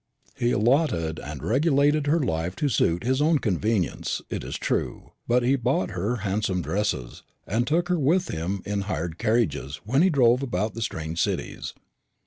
He allotted and regulated her life to suit his own convenience, it is true; but he bought her handsome dresses, and took her with him in hired carriages when he drove about the strange cities.